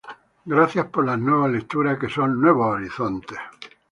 Gracias por las nuevas lecturas, que son nuevos horizontes.